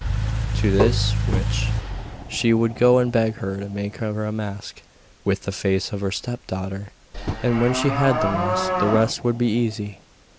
To this witch she would go and beg her to make her a mask with the face of her stepdaughter, and when she had the mask the rest would be easy.